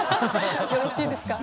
よろしいですか？